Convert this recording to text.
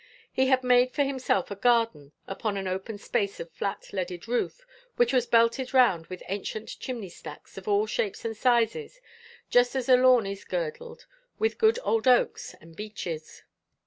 He had made for himself a garden upon an open space of flat leaded roof, which was belted round with ancient chimney stacks of all shapes and sizes, just as a lawn is girdled with good old oaks and beeches.